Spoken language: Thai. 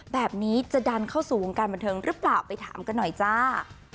แบบนี้จะดันเข้าสู่วงการบันเทิงหรือเปล่าไปถามกันหน่อยจ้า